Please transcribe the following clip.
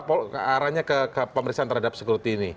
apa arahnya ke pemeriksaan terhadap security ini